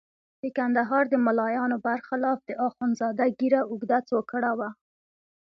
د کندهار د ملایانو برخلاف د اخندزاده ږیره اوږده څوکړه وه.